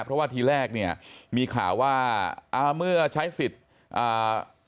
เพราะว่าทีแรกเนี่ยมีข่าวว่าอ่าเมื่อใช้สิทธิ์อ่า